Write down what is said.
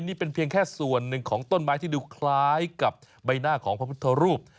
นี่เป็นเพียงแค่ส่วนหนึ่งของต้นไม้ที่ดูคล้ายกับใบหน้าของพระพุทธรูป